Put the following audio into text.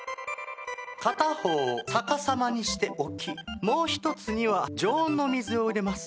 片方を逆さまにして置きもう１つには常温の水を入れます。